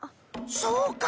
そうか。